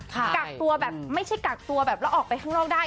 กักตัวแบบไม่ใช่กักตัวแบบแล้วออกไปข้างนอกได้